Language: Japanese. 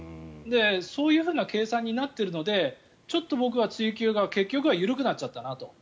そういう計算になっているのでちょっと僕は追及が結局は緩くなっちゃったなと。